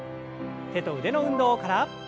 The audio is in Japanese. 手と腕の運動から。